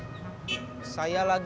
teman bukanya bel language